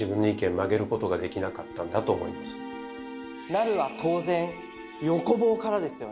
「成」は当然横棒からですよね？